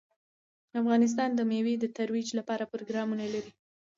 افغانستان د مېوې د ترویج لپاره پروګرامونه لري.